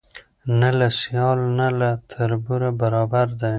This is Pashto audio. نه له سیال نه له تربوره برابر دی